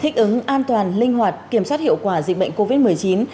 thích ứng an toàn linh hoạt kiểm soát hiệu quả dịch bệnh covid một mươi chín